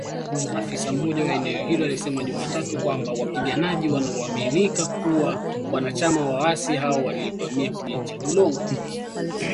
Afisa mmoja wa eneo hilo alisema Jumatatu kwamba wapiganaji wanaoaminika kuwa wanachama wa waasi hao walivamia kijiji cha Bulongo